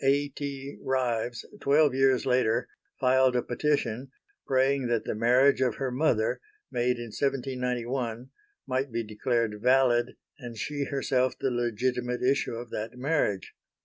A. T. Ryves twelve years later filed a petition praying that the marriage of her mother, made in 1791, might be declared valid and she herself the legitimate issue of that marriage.